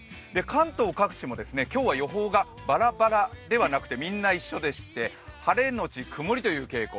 関東各地も今日は予報がばらばらではなくて、みんな一緒でして、晴れ後曇りという傾向。